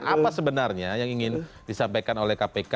apa sebenarnya yang ingin disampaikan oleh kpk